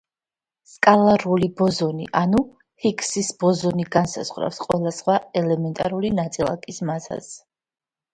სკალარული ბოზონი ანუ ჰიგსის ბოზონი განსაზღვრავს ყველა სხვა ელემენტარული ნაწილაკის მასას.